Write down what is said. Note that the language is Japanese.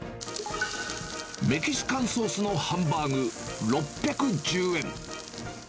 メキシカンソースのハンバーグ６１０円。